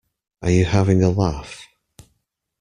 Are you having a laugh?